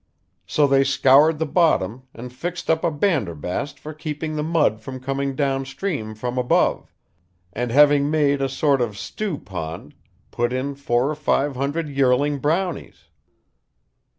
So they scoured the bottom and fixed up a banderbast for keeping the mud from coming downstream from above, and having made a sort of stewpond, put in four or five hundred yearling brownies.